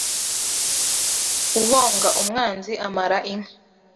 Uhonga umwanzi amara inka